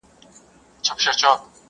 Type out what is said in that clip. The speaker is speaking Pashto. چي د ملالي د ټپې زور یې لیدلی نه وي!